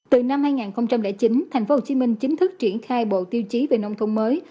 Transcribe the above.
từ năm hai nghìn chín tp hcm chính thức triển khai bộ tiêu chí về nông thôn mới